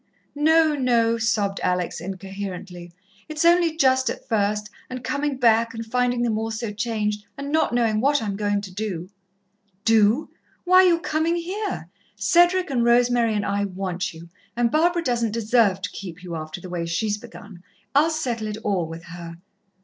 "No, no," sobbed Alex incoherently. "It's only just at first, and coming back and finding them all so changed, and not knowing what I am going to do." "Do! Why, you're coming here. Cedric and Rosemary and I want you, and Barbara doesn't deserve to keep you after the way she's begun. I'll settle it all with her."